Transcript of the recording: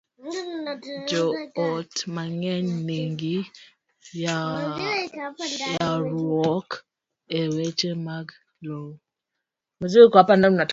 Joot mang'eny nigi ywaruok e weche mag lowo.